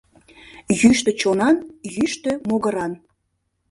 Йӱштӧ чонан, йӱштӧ могыран.